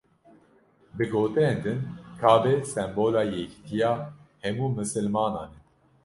Bi gotinên din Kabe sembola yekîtiya hemû misilmanan e.